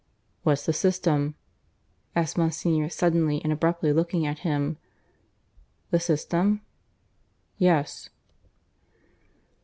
"What's the system?" asked Monsignor suddenly and abruptly looking at him. "The system?" "Yes."